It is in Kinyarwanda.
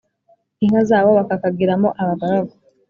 inka zabo bakakagiramo abagaragu.